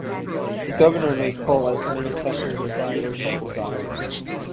The governor may call as many sessions as he or she desires.